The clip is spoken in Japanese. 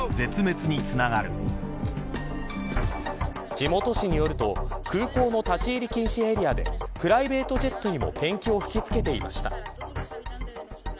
地元紙によると空港の立ち入り禁止エリアでプライベートジェットにもペンキを吹きつけていました。